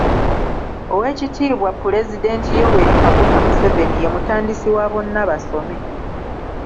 Oweekitiibwa Pulezidenti Yoweri Kaguta Museveni ye mutandisi wa `Bonna Basome'.